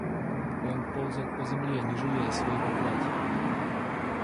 Он ползает по земле, не жалея своего платья.